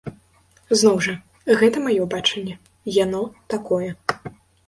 Зноў жа, гэта маё бачанне, яно такое.